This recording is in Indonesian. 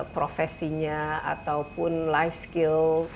profesinya ataupun keterampilan hidup